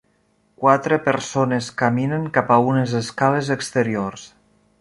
Quatre persones caminen cap a unes escales exteriors.